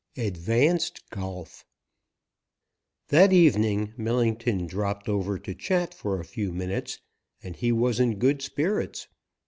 X. ADVANCED GOLF THAT evening Millington dropped over to chat for a few minutes, and he was in good spirits.